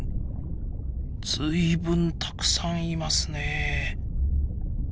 随分たくさんいますねえ！